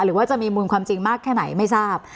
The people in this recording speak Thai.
หรือว่าจะมีมูลความจริงมากแค่ไหนไม่ทราบ